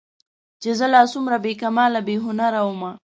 چې زه لا څومره بې کماله بې هنره ومه